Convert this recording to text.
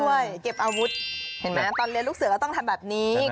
เนี่ยเห็นสิว่าเมื่อเรียนลูกเสือไปก็ต้องแบบนี้